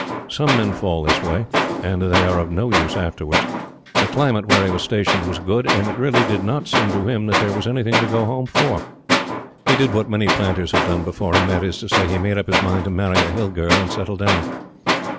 Some men fall this way; and they are of no use afterwards. The climate where he was stationed was good, and it really did not seem to him that there was anything to go Home for. He did what many planters have done before him that is to say, he made up his mind to marry a Hill girl and settle down.